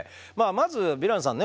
まずヴィランさんね